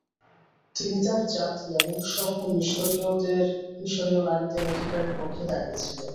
তিনি তার জাতি এবং সহ মিশরীয় নারীদের অধিকারের পক্ষে দাঁড়িয়েছিলেন।